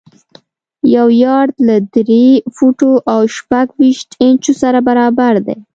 یو یارډ له درې فوټو او شپږ ویشت انچو سره برابر دی.